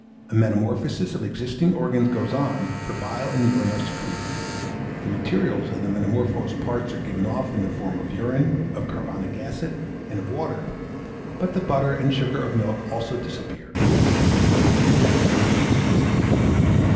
A metamorphosis of existing organs goes on, for bile and urine are secreted; the materials of the metamorphosed parts are given off in the form of urine, of carbonic acid, and of water; but the butter and sugar of milk also disappear; they cannot be detected in the faeces.